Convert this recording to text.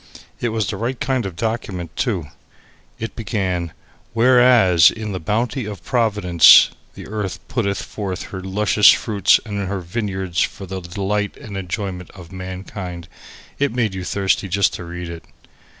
It was the right kind of document too. It began "Whereas in the bounty of providence the earth putteth forth her luscious fruits and her vineyards for the delight and enjoyment of mankind " It made you thirsty just to read it.